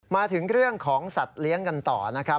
มาถึงเรื่องของสัตว์เลี้ยงกันต่อนะครับ